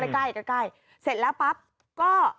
ใกล้เสร็จแล้วปั๊บก็